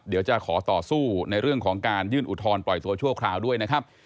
เดี๋ยวจะขอต่อสู้ในเรื่องของการยื่นอุทธรณ์ปล่อยตัวชั่วคราวด้วยนะครับ